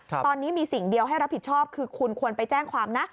ตอนนี้มีสิ่งเดียวให้รับผิดชอบคือคุณควรไปแจ้งความนะ